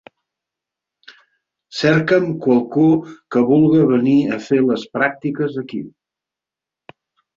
Cercam qualcú que vulga venir a fer les pràctiques aquí.